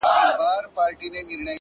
ګنې نو ما خپلو زخمونو ته منت کړى دى